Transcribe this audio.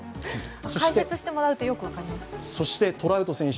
解説してもらうとよく分かります。